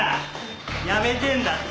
やめてえんだって？